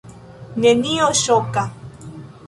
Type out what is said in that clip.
Nenio ŝoka.